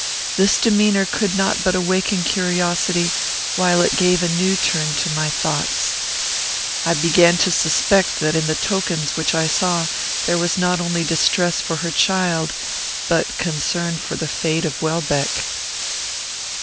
This demeanour could not but awaken curiosity, while it gave a new turn to my thoughts. I began to suspect that in the tokens which I saw there was not only distress for her child, but concern for the fate of Welbeck.